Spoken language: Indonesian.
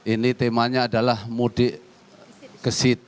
ini temanya adalah mudik kesit